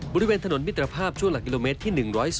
บริเวณถนนมิตรภาพช่วงหลักกิโลเมตรที่๑๐๒